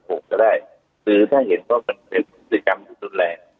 ก็ได้ถือถ้าเห็นก็เป็นศุลย์กรรมสุดแรก